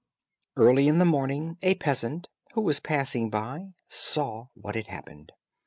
Early in the morning, a peasant, who was passing by, saw what had happened.